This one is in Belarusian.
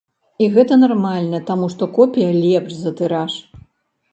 І гэта нармальна, таму што копія лепш за тыраж.